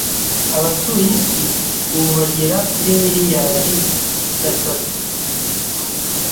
Abatuye isi ubu bagera kuri miliyari gatatu.